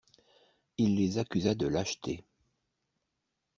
Il les accusa de lâcheté.